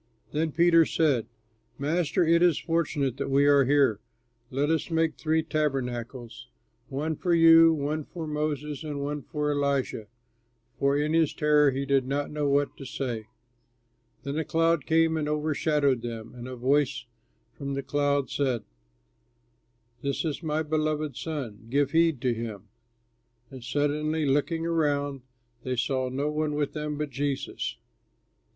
Then Peter said, "Master, it is fortunate that we are here. Let us make three tabernacles, one for you, one for Moses, and one for Elijah." (For in his terror he did not know what to say.) Then a cloud came and overshadowed them, and a voice from the cloud said, "This is my Beloved Son; give heed to him." And suddenly, looking around, they saw no one with them but Jesus.